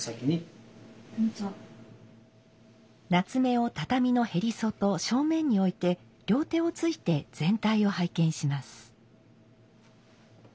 棗を畳の縁外正面に置いて両手をついて全体を拝見します。